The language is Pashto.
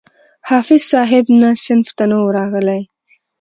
حافظ صاحب نه صنف ته نه وو راغلى.